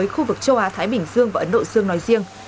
với khu vực châu á thái bình dương và ấn độ dương nói riêng